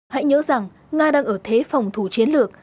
hãy nhớ rằng nga đang ở thế phòng thủ chiến lược